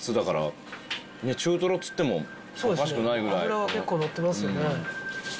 脂結構のってますよね。